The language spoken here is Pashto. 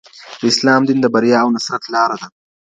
د اسلام دین د بریا او نصرت لاره ده.